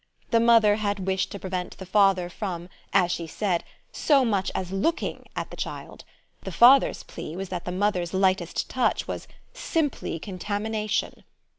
The mother had wished to prevent the father from, as she said, "so much as looking" at the child; the father's plea was that the mother's lightest touch was "simply contamination."